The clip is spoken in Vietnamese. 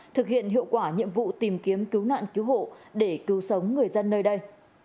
thực hiện hiệu quả nhiệm vụ tìm kiếm cứu nạn cứu hộ để cứu sống người dân nơi đây